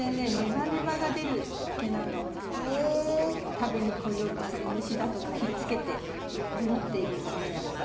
食べに来ようとする虫だとかをひっつけて守っているんだねやっぱり。